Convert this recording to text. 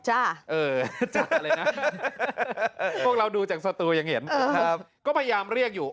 จ้าอะไรนะพวกเราดูจากสตูยังเห็นพยายามเรียกอยู่